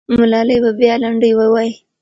ملالۍ به بیا لنډۍ ووایي.